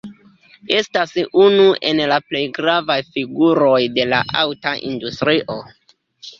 Estas unu el la plej gravaj figuroj de la aŭta industrio.